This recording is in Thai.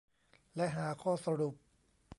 และหาข้อสรุป